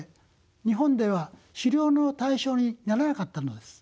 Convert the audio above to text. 日本では狩猟の対象にならなかったのです。